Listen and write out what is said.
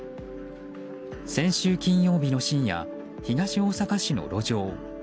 先週金曜日の深夜東大阪市の路上。